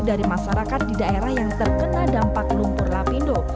dari masyarakat di daerah yang terkena dampak lumpur lapindo